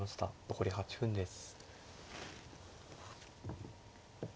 残り８分です。